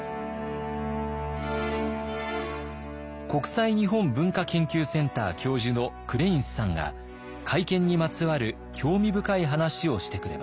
国際日本文化研究センター教授のクレインスさんが会見にまつわる興味深い話をしてくれました。